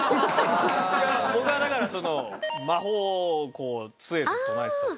僕はだからその魔法をこう杖と唱えてたんですよ。